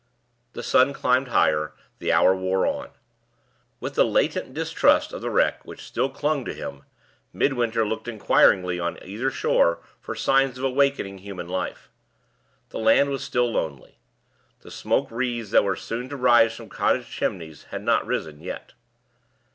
The sun climbed higher; the hour wore on. With the latent distrust of the wreck which still clung to him, Midwinter looked inquiringly on either shore for signs of awakening human life. The land was still lonely. The smoke wreaths that were soon to rise from cottage chimneys had not risen yet.